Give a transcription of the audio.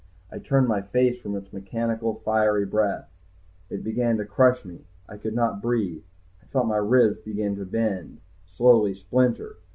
I turned my face from its mechanical, fiery breath. It began to crush me, I could not breathe, I felt my ribs begin to bend, slowly splinter.